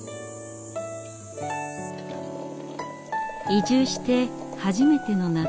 移住して初めての夏。